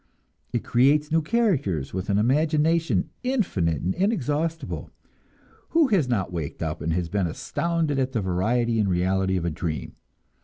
It creates new characters, with an imagination infinite and inexhaustible. Who has not waked up and been astounded at the variety and reality of a dream?